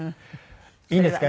いいですか？